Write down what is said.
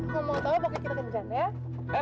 kamu gak tau pokoknya kita kencan ya